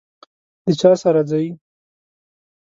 د چا سره ځئ؟